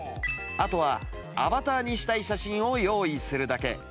あとはアバターにしたい写真を用意するだけ。